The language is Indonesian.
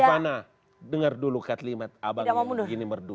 rivana dengar dulu kat limat abangnya begini merdu